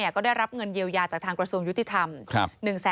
ก็ได้รับเงินเยียวยาจากทางกระทรวงยุติธรรม